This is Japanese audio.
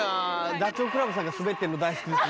ダチョウ倶楽部さんが滑ってんの大好きですね。